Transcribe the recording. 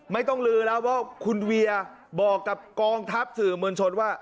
ไม่ต้องลือแล้วว่าคุณเวียบอกกับกองทัพสื่อมวลชนว่า